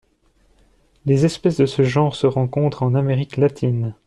Les espèces de ce genre se rencontrent en Amérique latine.